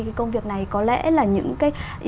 cái công việc này có lẽ là những cái